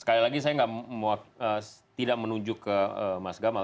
sekali lagi saya tidak menunjuk ke mas gamal